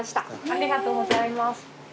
ありがとうございます。